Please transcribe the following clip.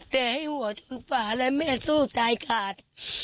แต่ให้หัวถึงฝาแล้วแม่สู้ตายขาด